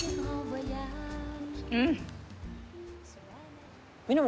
うん。